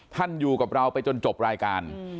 อยู่กับเราไปจนจบรายการ